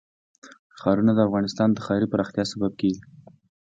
ښارونه د افغانستان د ښاري پراختیا سبب کېږي.